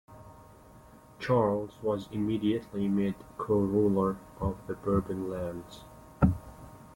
Charles was immediately made co-ruler of the Bourbon lands.